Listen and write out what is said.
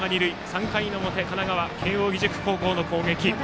３回の表神奈川・慶応義塾高校の攻撃。